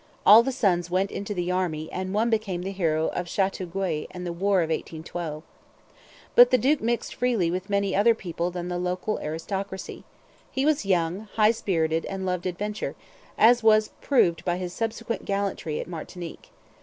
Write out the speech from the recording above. All the sons went into the Army and one became the hero of Chateauguay in the War of 1812. But the duke mixed freely with many other people than the local aristocracy. He was young, high spirited, and loved adventure, as was proved by his subsequent gallantry at Martinique.